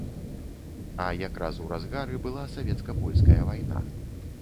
А якраз у разгары была савецка-польская вайна.